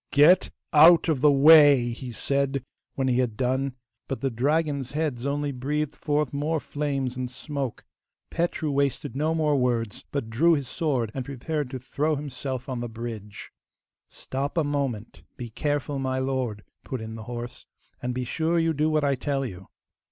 'Get out of the way!' he said when he had done, but the dragon's heads only breathed forth more flames and smoke. Petru wasted no more words, but drew his sword and prepared to throw himself on the bridge. 'Stop a moment; be careful, my lord,' put in the horse, 'and be sure you do what I tell you.